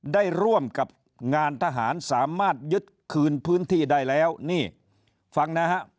ได้ร่วมกับงานทหารสามารถยึดคืนพื้นที่ได้แล้วนี่ฟังนะฮะ